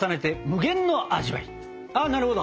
ああなるほど。